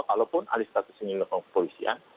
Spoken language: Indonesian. kalaupun alis status ini lepas kepolisian